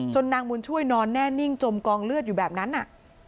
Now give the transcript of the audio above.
นางบุญช่วยนอนแน่นิ่งจมกองเลือดอยู่แบบนั้น